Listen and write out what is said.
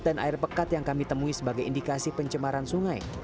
tetapi juga perangkat yang kami temui sebagai indikasi pencemaran sungai